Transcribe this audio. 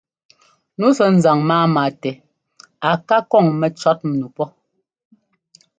Nu sɛ́ ńzaŋ máama tɛ a ká kɔŋ mɛcɔ̌tnu pɔ́́.